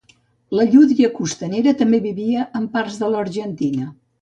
La llúdria costanera també vivia en parts de l'Argentina.